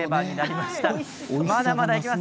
まだまだいきます。